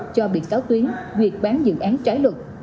cho bị cáo tuyến việc bán dự án trái luật